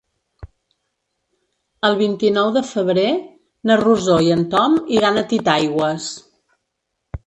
El vint-i-nou de febrer na Rosó i en Tom iran a Titaigües.